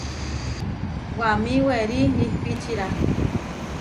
Waʼamí werí ihpíčira.